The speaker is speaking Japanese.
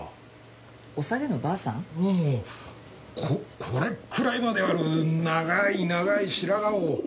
ここれくらいまである長い長い白髪をおさげにしてさ。